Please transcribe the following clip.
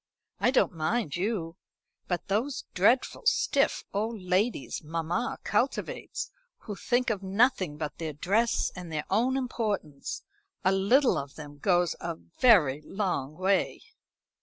I don't mind you; but those dreadful stiff old ladies mamma cultivates, who think of nothing but their dress and their own importance a little of them goes a very long way."